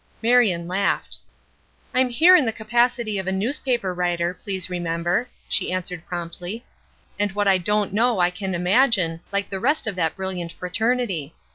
Marion laughed. "I'm here in the capacity of a newspaper writer, please remember," she answered promptly, "and what I don't know I can imagine, like the rest of that brilliant fraternity.